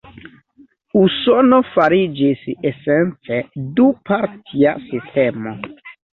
Usono fariĝis esence du-partia sistemo.